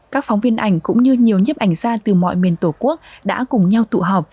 các phóng viên ảnh cũng như nhiều nhếp ảnh ra từ mọi miền tổ quốc đã cùng nhau tụ họp